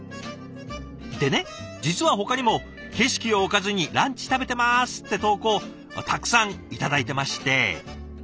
でね実はほかにも「景色をおかずにランチ食べてます」って投稿たくさん頂いてまして。